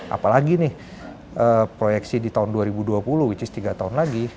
apalagi nih proyeksi di tahun dua ribu dua puluh which is tiga tahun lagi